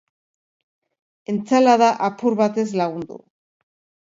Entsalada apur batez lagundu.